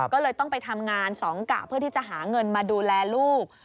ก็เลยต้องไปทำงานสองกะเพื่อที่จะหาเงินมาดูแลลูก